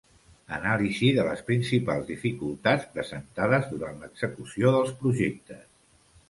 Anàlisi de les principals dificultats presentades durant l'execució dels projectes.